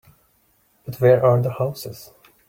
But where are the houses?